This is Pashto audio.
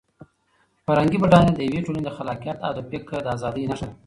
فرهنګي بډاینه د یوې ټولنې د خلاقیت او د فکر د ازادۍ نښه ده.